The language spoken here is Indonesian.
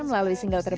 melalui single terbaik